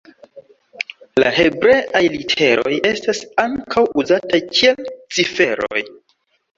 La hebreaj literoj estas ankaŭ uzataj kiel ciferoj.